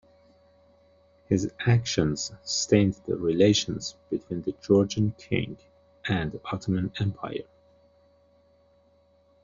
His actions stained the relations between the Georgian King and Ottoman Empire.